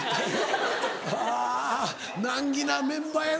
あ難儀なメンバーやな。